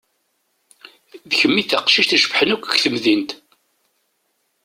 D kemm i d taqcict i icebḥen akk g temdint.